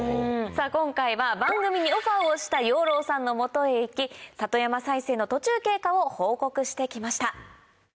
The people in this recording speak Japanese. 今回は番組にオファーをした養老さんの元へ行き里山再生の途中経過を報告してきました。